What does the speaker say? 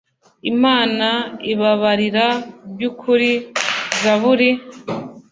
Imana ibabarira by ukuri zaburi